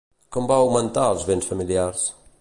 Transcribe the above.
Com va augmentar els béns familiars?